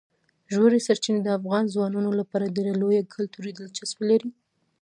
ژورې سرچینې د افغان ځوانانو لپاره ډېره لویه کلتوري دلچسپي لري.